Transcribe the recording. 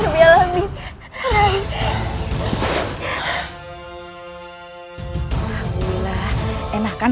ya yaudah bilalamin